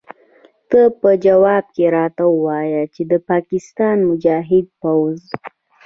تا په ځواب کې راته وویل چې د پاکستان مجاهد پوځ.